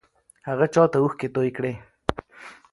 هغه چا ته اوښکې توې کړې؟